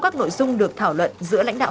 các nội dung được thảo luận giữa lãnh đạo